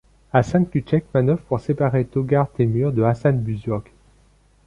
Hasan Kûtchek manœuvre pour séparer Togha Temür de Hasan Buzurg.